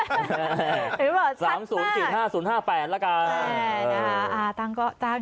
หรือว่าชัดมาก๓๐๑๐๕๐๕๘ละกัน